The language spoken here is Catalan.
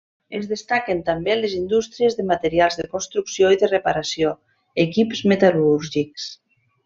Es destaquen també les indústries de materials de construcció i de reparació equips metal·lúrgics.